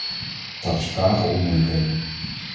Dat is vragen om moeilijkheden.